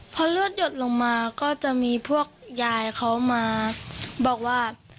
พอเลือดหยดลงมาก็จะมีพวกยายเขามาบอกว่า